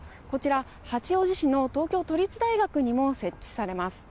八王子市の東京都立大学にも設置されます。